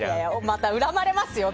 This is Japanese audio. また恨まれますよ